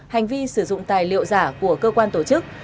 hành vi sử dụng tài liệu giả của cơ quan tổ chức